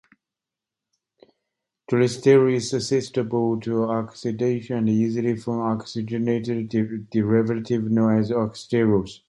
Cholesterol is susceptible to oxidation and easily forms oxygenated derivatives known as oxysterols.